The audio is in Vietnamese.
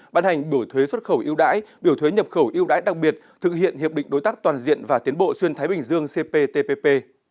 bán hành biểu thuế xuất khẩu yêu đãi biểu thuế nhập khẩu yêu đãi đặc biệt thực hiện hiệp định đối tác toàn diện và tiến bộ xuyên thái bình dương cptpp